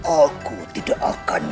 aku tidak akan